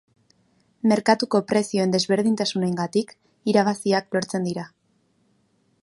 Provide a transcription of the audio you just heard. Merkatuko prezioen desberdintasunengatik, irabaziak lortzen dira.